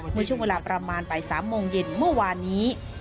เมื่อช่วงเวลาประมาณบ่าย๓โมงเย็นเมื่อวานนี้